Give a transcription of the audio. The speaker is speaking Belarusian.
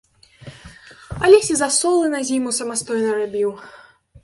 Алесь і засолы на зіму самастойна рабіў.